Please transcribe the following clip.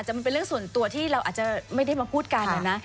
แต่มันเป็นเรื่องส่วนตัวที่เราอาจจะไม่ได้มาพูดกันนะนะ